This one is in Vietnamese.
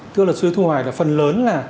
thưa lật sư thu hoài là phần lớn là